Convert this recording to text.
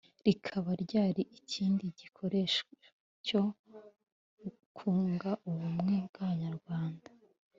rikaba ryari ikindi gikoresho cyo kunga ubumwe bw'abanyarwanda.